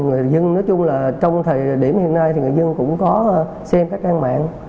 người dân nói chung là trong thời điểm hiện nay thì người dân cũng có xem các trang mạng